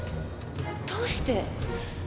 どうして。